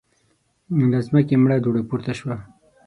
له ځمکې مړه دوړه پورته شوه.